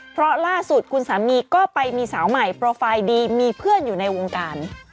เพราะล่าสุดคุณสามีก็ไปมีสาวใหม่โปรไฟล์ดีมีเพื่อนอยู่ในวงการ